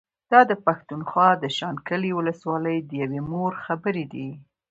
دا د پښتونخوا د شانګلې ولسوالۍ د يوې مور خبرې دي